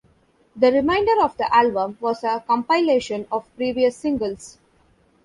The remainder of the album was a compilation of previous singles.